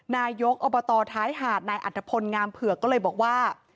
นายกอบตท้ายหาดนายอัตภพลงามเผือกก็เลยบอกว่า